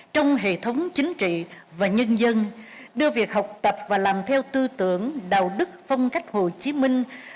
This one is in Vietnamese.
trong hệ thống chính trị và nhân dân đưa việc học tập và làm theo tư tưởng đạo đức phong cách hồ chí minh